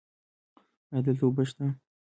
ایا دلته اوبه شته؟